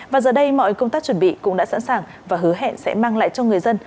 và giờ đây mọi công tác chuẩn bị cũng đã sẵn sàng và hứa hẹn sẽ mang lại cho người dân